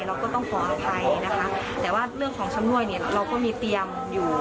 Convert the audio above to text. เราก็ต้องขออภัยนะคะแต่ว่าเรื่องของชำนวยเนี่ยเราก็มีเตรียมอยู่